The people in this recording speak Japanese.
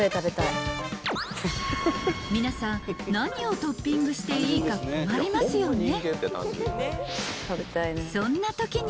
［皆さん何をトッピングしていいか困りますよね？］